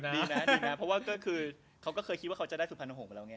ดีนะเพราะว่าคือเขาก็เคยคิดว่าเขาจะได้สุภาณห่วงไปแล้วไง